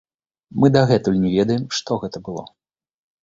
Мы дагэтуль не ведаем, што гэта было.